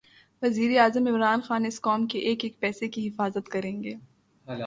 وزیراعظم عمران خان اس قوم کے ایک ایک پیسے کی حفاظت کریں گے